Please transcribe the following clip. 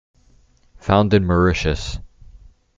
Found in Mauritius.